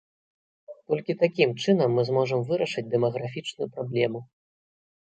Толькі такім чынам мы зможам вырашыць дэмаграфічную праблему.